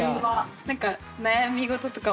何か。